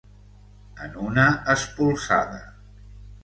En una espolsada.